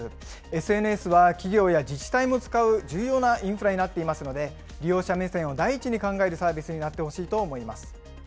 ＳＮＳは企業や自治体も使う重要なインフラになっていますので、利用者目線を第一に考えるサービスになってほしいと思います。